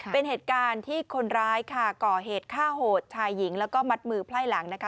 เป็นเหตุการณ์ที่คนร้ายค่ะก่อเหตุฆ่าโหดชายหญิงแล้วก็มัดมือไพร่หลังนะคะ